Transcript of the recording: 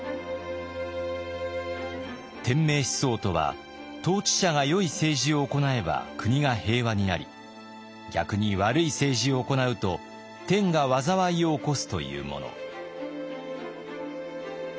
天命思想とは統治者が良い政治を行えば国が平和になり逆に悪い政治を行うと天が災いを起こすというもの。